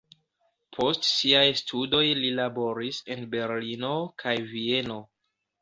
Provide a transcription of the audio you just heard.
Post siaj studoj li laboris en Berlino kaj Vieno.